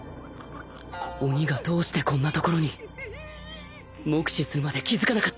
鬼がどうしてこんな所に目視するまで気付かなかった